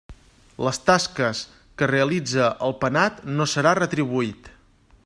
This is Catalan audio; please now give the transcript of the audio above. Les tasques que realitze el penat no serà retribuït.